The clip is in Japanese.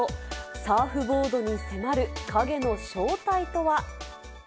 サーフボードに迫る影の正体とは。